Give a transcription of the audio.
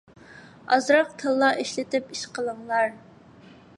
ئازراق كاللا ئىشلىتىپ ئىش قىلىڭلار!